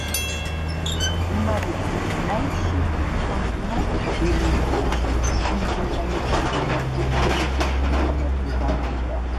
იმავე წლის მაისში ხორკინა ბირმინგემში, დიდ ბრიტანეთში გამართულ ევროპის ჩემპიონატზე გამოვიდა.